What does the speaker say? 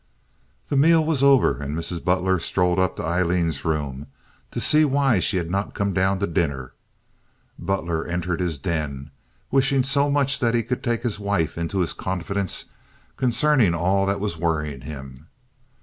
The meal was over, and Mrs. Butler strolled up to Aileen's room to see why she had not come down to dinner. Butler entered his den, wishing so much that he could take his wife into his confidence concerning all that was worrying him.